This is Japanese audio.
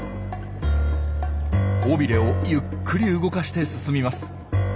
尾ビレをゆっくり動かして進みます。